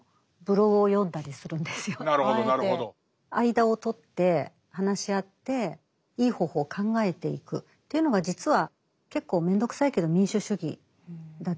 間をとって話し合っていい方法を考えていくというのが実は結構めんどくさいけど民主主義だったりしますよね。